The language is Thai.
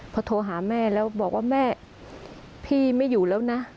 พอโทรหาแม่แล้วบอกว่าแม่พี่ไม่อยู่แล้วนะ